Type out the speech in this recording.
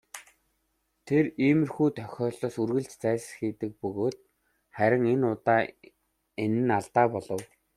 Тэр иймэрхүү тохиолдлоос үргэлж зайлсхийдэг бөгөөд харин энэ удаа энэ нь алдаа болов.